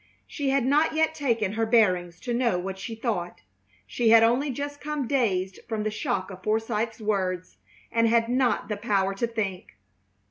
She had not yet taken her bearings to know what she thought. She had only just come dazed from the shock of Forsythe's words, and had not the power to think.